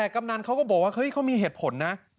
กำนั้นเขาก็บอกว่ามีเหตุผลนะ